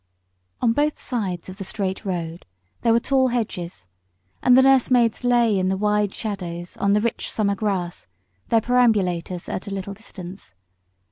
On both sides of the straight road there were tall hedges, and the nursemaids lay in the wide shadows on the rich summer grass, their perambulators at a little distance.